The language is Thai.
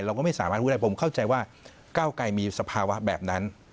เราก็ไม่สามารถรู้ได้ผมเข้าใจว่าก้าวไกรมีสภาวะแบบนั้น